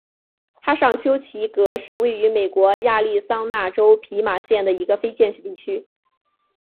哈尚丘奇格是位于美国亚利桑那州皮马县的一个非建制地区。